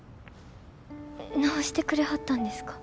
直してくれはったんですか。